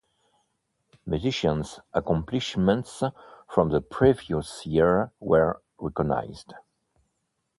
Musicians accomplishments from the previous year were recognized.